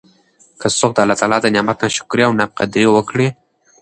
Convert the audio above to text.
که څوک د الله د نعمت نا شکري او نا قدري وکړي